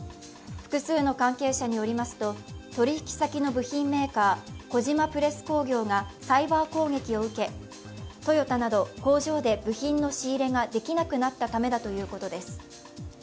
複数の関係者によりますと、取引先の部品メーカー、小島プレス工業がサイバー攻撃を受け、トヨタなど工場で部品の仕入れができなくなったためだということです。